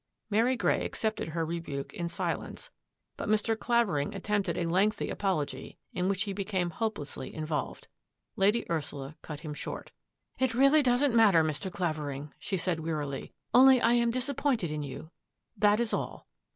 Mary Grey accepted her rebuke in silence, but Mr. Clavering attempted a lengthy apology in which he became hopelessly involved. Lady Ursula cut him short. " It really doesn't matter, Mr. Clavering," she said wearily, " only I am disappointed in you, that is all."